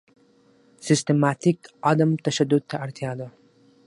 سیستماتیک عدم تشدد ته اړتیا ده.